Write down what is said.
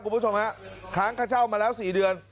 คุณผู้ชมฮะค้างค่าเช่ามาแล้ว๔เดือน